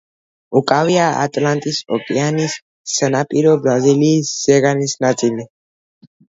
უკავია ატლანტის ოკეანის სანაპირო ბრაზილიის ზეგანის ნაწილი.